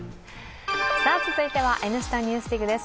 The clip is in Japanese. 続いては「Ｎスタ・ＮＥＷＳＤＩＧ」です。